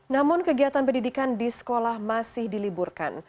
namun kegiatan pendidikan di sekolah masih diliburkan